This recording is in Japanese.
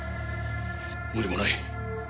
無理もない。